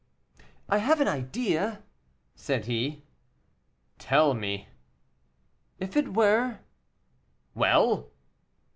"I have an idea," said he. "Tell me." "If it were " "Well!"